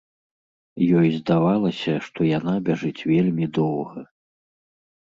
Ёй здавалася, што яна бяжыць вельмі доўга.